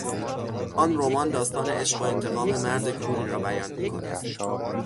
آن رمان داستان عشق و انتقام مرد کوری را بیان میکند.